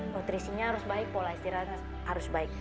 nutrisinya harus baik pola istirahatnya harus baik